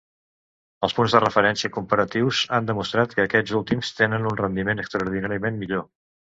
Els punts de referència comparatius han demostrat que aquests últims tenen un rendiment extraordinàriament millor.